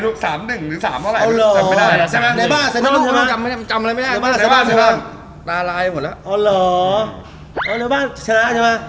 เอ๊ะนัดแรกกันเจอกันกันชนะ